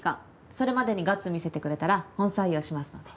それまでにガッツ見せてくれたら本採用しますので。